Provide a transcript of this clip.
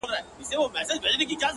د زړه صفا ارام فکر رامنځته کوي